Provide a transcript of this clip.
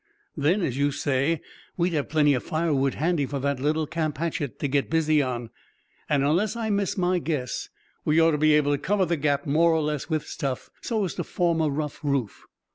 "Then, as you say, we'd have plenty of firewood handy for that little camp hatchet to get busy on. And unless I miss my guess we ought to be able to cover the gap more or less with stuff, so as to form a rough roof."